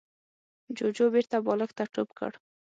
جوجو بېرته بالښت ته ټوپ کړ.